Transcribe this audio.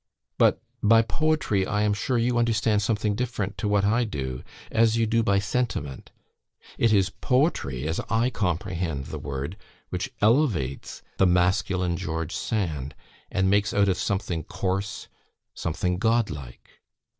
But by POETRY, I am sure, you understand something different to what I do, as you do by 'sentiment.' It is POETRY, as I comprehend the word, which elevates that masculine George Sand, and makes out of something coarse, something Godlike.